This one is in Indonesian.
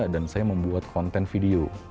dan saya membuat konten video